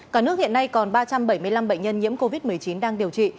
cả nước hiện nay còn ba trăm bảy mươi năm bệnh nhân nhiễm covid một mươi chín đang điều trị